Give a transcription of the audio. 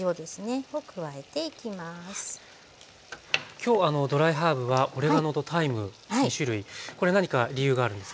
今日ドライハーブはオレガノとタイム２種類これ何か理由があるんですか？